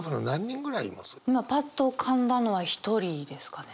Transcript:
今パッと浮かんだのは一人ですかね。